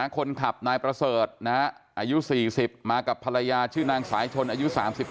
คนขับนายประเสริฐอายุ๔๐มากับภรรยาชื่อนางสายชนอายุ๓๕